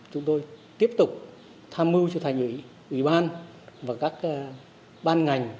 chúng tôi tiếp tục tham mưu cho thành ủy ủy ban và các ban ngành